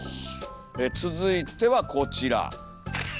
続いてはこちら。